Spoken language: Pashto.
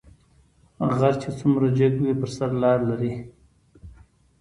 غر چې څومره جګ وي په سر لار لري